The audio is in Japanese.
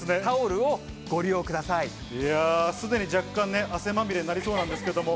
いやー、すでに若干、汗まみれになりそうなんですけれども。